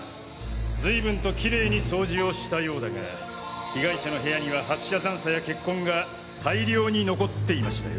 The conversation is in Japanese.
ずいぶんとキレイに掃除をしたようだが被害者の部屋には発射残渣や血痕が大量に残っていましたよ。